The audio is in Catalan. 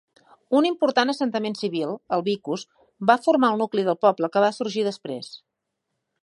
Un important assentament civil, el "vicus", va formar el nucli del poble que va sorgir després.